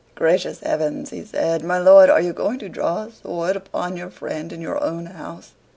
"Gracious heavens!" he said, "my lord, are you going to draw a sword upon your friend in your own house?